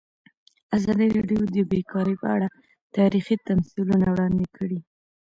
ازادي راډیو د بیکاري په اړه تاریخي تمثیلونه وړاندې کړي.